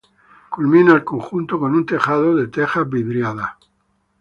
Culmina el conjunto con un tejado de tejas vidriadas.